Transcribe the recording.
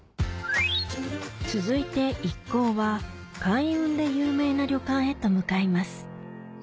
続いて一行は開運で有名な旅館へと向かいます